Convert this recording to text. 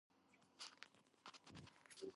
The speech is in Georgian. ჰავა ნოტიო ეკვატორულია.